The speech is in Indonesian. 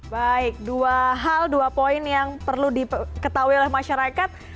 baik dua hal dua poin yang perlu diketahui oleh masyarakat